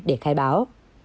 để khai báo